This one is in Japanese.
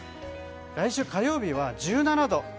来週火曜日は１７度。